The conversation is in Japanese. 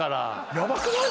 ヤバくない？